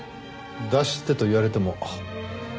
出してと言われても今はもう。